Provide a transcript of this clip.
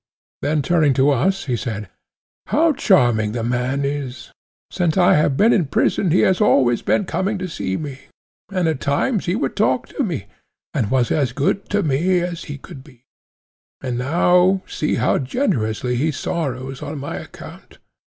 Then turning to us, he said, How charming the man is: since I have been in prison he has always been coming to see me, and at times he would talk to me, and was as good to me as could be, and now see how generously he sorrows on my account.